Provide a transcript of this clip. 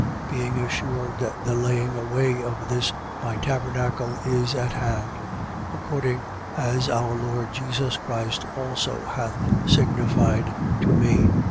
1:14. Being assured that the laying away of this my tabernacle is at hand, according as our Lord Jesus Christ also hath signified to me.